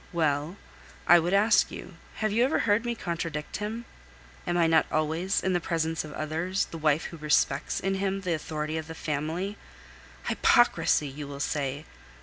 Well, I would ask you, have you ever heard me contradict him? Am I not always, in the presence of others, the wife who respects in him the authority of the family? Hypocrisy! you will say.